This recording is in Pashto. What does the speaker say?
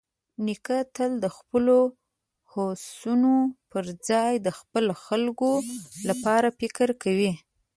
نیکه تل د خپلو هوسونو پرځای د خپلو خلکو لپاره فکر کوي.